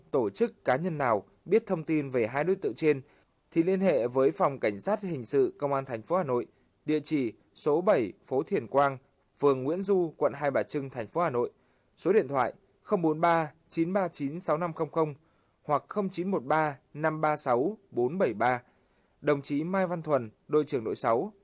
tổ chức cá nhân nào biết thông tin về hai đối tượng trên thì liên hệ với phòng cảnh sát hình sự công an thành phố hà nội địa chỉ số bảy phố thiển quang phường nguyễn du quận hai bà trưng thành phố hà nội số điện thoại bốn mươi ba chín trăm ba mươi chín sáu nghìn năm trăm linh hoặc chín trăm một mươi ba năm trăm ba mươi sáu bốn trăm bảy mươi ba đồng chí mai văn thuần đôi trường đội sáu